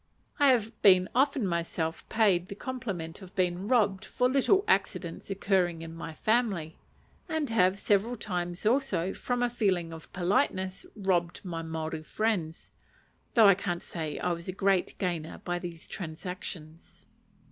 I have been often myself paid the compliment of being robbed for little accidents occurring in my family, and have several times also, from a feeling of politeness, robbed my Maori friends; though I can't say I was a great gainer by these transactions.